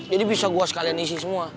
jadi bisa gue sekalian isi semua